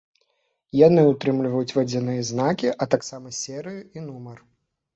Яны ўтрымліваюць вадзяныя знакі, а таксама серыю і нумар.